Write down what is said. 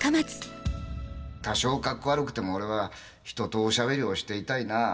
多少かっこ悪くても俺は人とおしゃべりをしていたいな。